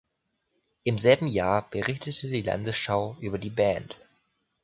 Im selben Jahr berichtete die Landesschau über die Band.